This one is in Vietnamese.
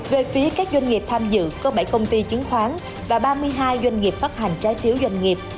về phía các doanh nghiệp tham dự có bảy công ty chứng khoán và ba mươi hai doanh nghiệp phát hành trái phiếu doanh nghiệp